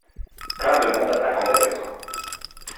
Plein de monde attendait le train.